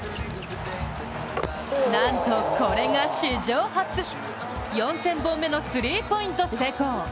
なんとこれが史上初、４０００本目のスリーポイント成功。